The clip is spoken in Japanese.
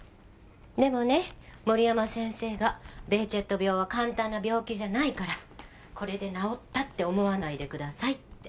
でもね森山先生がベーチェット病は簡単な病気じゃないからこれで治ったって思わないでくださいって。